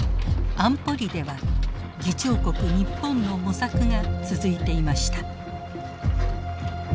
安保理では議長国日本の模索が続いていました。